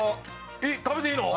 えっ食べていいの？